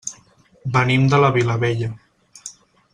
Venim de la Vilavella.